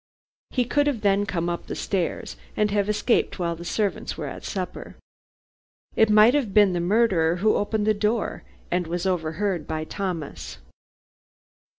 He could have then come up the stairs and have escaped while the servants were at supper. It might have been the murderer who opened the door, and was overheard by Thomas.